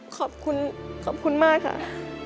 ขอบคุณขอบคุณมากค่ะ